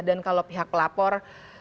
dan kalau pihak pelapor